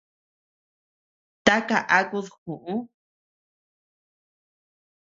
¿Taka akud ju?